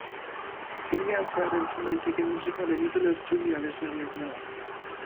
Filmean zehar entzun daitekeen musika Benito Lertxundi abeslariarena da.